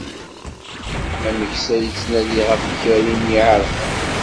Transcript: Ameksa yettnadi ɣef yikerri-nni iεerqen.